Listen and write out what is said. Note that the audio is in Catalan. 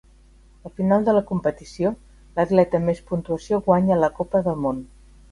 Al final de la competició, l'atleta amb més puntuació guanya la Copa del Món.